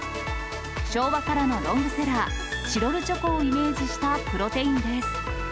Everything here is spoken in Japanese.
昭和からのロングセラー、チロルチョコをイメージしたプロテインです。